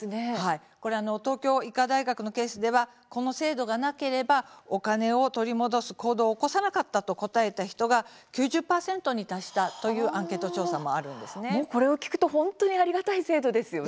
東京医科大学のケースではこの制度がなければお金を取り戻す行動を起こさなかったと答えた人が９０％に達したというこれを聞くと本当にありがたい制度ですよね。